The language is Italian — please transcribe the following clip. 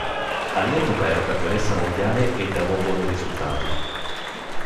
All'epoca ero campionessa mondiale e davo buoni risultati.